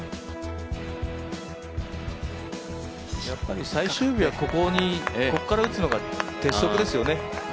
やっぱり最終日はここから打つのが鉄則ですよね。